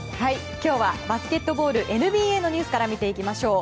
今日はバスケットボールＮＢＡのニュースから見ていきましょう。